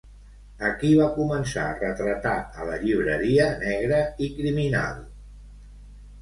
A qui va començar a retratar a la llibreria Negra i Criminal?